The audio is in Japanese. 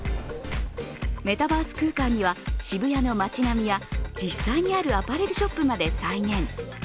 メタバース空間には渋谷の町並みや実際にあるアパレルショップまで再現。